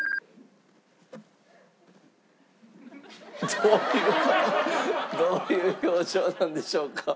どういう事どういう表情なんでしょうか？